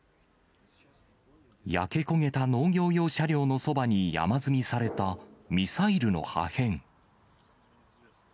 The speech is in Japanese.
焼け焦げた農業用車両のそばに山積みされたミサイルの破片。